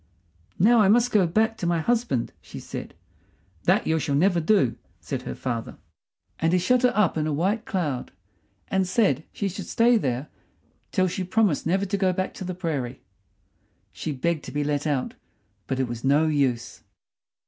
"Now I must go back to my husband," she said. "That you shall never do!" said her father. And he shut her up in a white cloud and said she should stay there till she promised never to go back to the prairie. She begged to be let out, but it was no use.